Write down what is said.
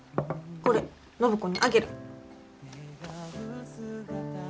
これ暢子にあげる。